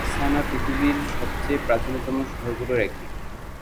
সানা পৃথিবীর সবচেয়ে প্রাচীনতম শহরগুলোর একটি।